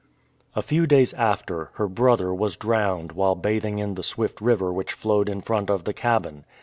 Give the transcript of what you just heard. A few days after, her brother was drowned while bath ing in the swift river which flowed in front of the cabin.